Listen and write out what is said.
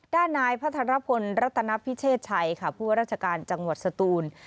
ด้านนายพระธรรพนธ์รัฐนพิเศษชัยค่ะผู้ราชการจังหวัดสตูน